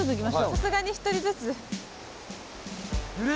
さすがに１人ずつ。